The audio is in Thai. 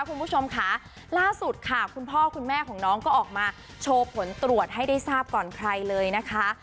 คุณผู้ชมค่ะล่าสุดค่ะคุณพ่อคุณแม่ของน้องก็ออกมาโชว์ผลตรวจให้ได้ทราบก่อนใครเลยนะคะ